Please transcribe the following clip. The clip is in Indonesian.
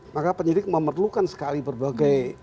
maka penyidik memerlukan sekali berbagai